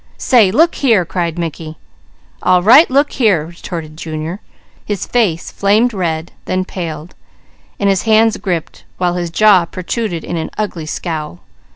"Say, look here " cried Mickey. "All right, 'look here,'" retorted Junior. His face flamed Ted, then paled, and his hands gripped, while his jaw protruded in an ugly scowl.